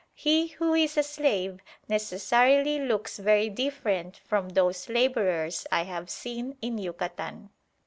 He who is a slave necessarily looks very different from those labourers I have seen in Yucatan."